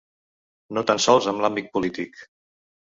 No tan sols en l’àmbit polític.